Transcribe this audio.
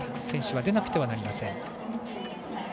選手は出なくてはなりません。